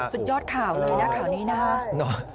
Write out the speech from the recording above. สุดยอดข่าวเลยนะข่าวนี้นะครับ